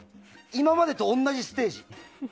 今までと同じステージ。